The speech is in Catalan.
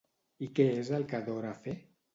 I què és el que adora fer?